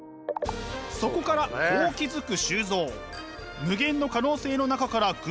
そこからこう気付く周造。